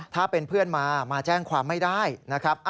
ถ้าเป็นเพื่อนมามาแจ้งความไม่ได้นะครับ